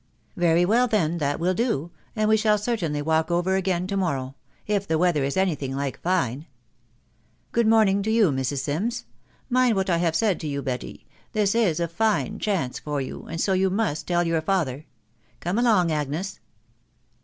" Very well, then, that will do, and we shall certainly walk over again to morrow, if the weather is any thing like fine. — Good morning to you, Mrs* Sims !.... Mind what I have said to you, Betty ; this is a fine chance for you, and so you must tell your father. Come along, Agnes."